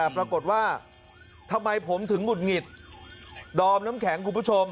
ปรากฏว่าทำไมผมถึงหุดหงิดดอมน้ำแข็งคุณผู้ชม